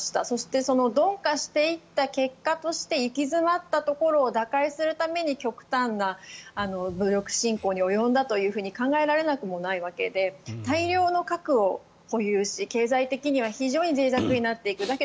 そして鈍化していった結果として行き詰まったところを打開するために極端な武力侵攻に及んだと考えられなくもないわけで大量の核を保有し、経済的には非常にぜい弱になっていく。